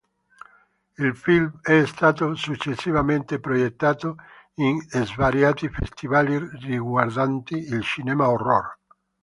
Il film è stato successivamente proiettato in svariati festival riguardanti il cinema horror.